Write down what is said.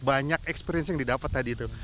banyak experience yang didapat tadi itu